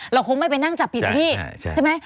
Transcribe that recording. เราคงไม่ไปนั่งจับผิดนะพี่ใช่ไหม